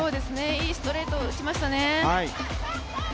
いいストレートを打ちましたね。